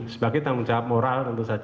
sebagai tanggung jawab moral tentu saja